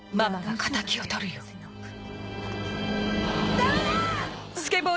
ダメだ！